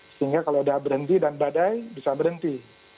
sehingga kalau sudah berhenti dan badai bisa berhenti